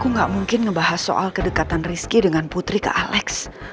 aku gak mungkin ngebahas soal kedekatan rizky dengan putri ke alex